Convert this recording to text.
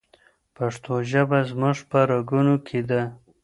پښتو ژبه زموږ په رګونو کې ده.